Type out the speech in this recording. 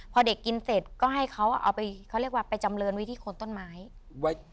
พอเด็กกินเสร็จก็ให้เขาเอาไปเขาเรียกว่าไปจำเรินไว้ที่คนต้นไม้ไว้